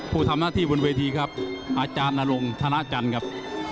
ผู้ทำหน้าที่บนเวทีครับอาจารย์นรงธนาจันทร์ครับ